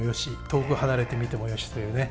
遠く離れて見てもよしというね。